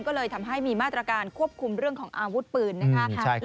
ก็เลยทำให้มีมาตรการควบคุมเรื่องของอาวุธปืนนะคะ